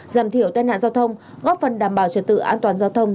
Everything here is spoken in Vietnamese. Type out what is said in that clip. giảm thiểu tai nạn giao thông góp phần đảm bảo trật tự an toàn giao thông